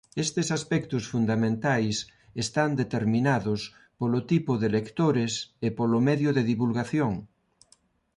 Estes aspectos fundamentais están determinados polo tipo de lectores e polo medio de divulgación.